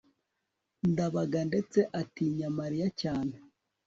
ndabaga ndetse atinya mariya cyane